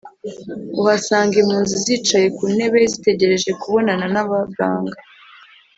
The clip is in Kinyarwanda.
uhasanga impunzi zicaye ku ntebe zitegereje kubonana n’abaganga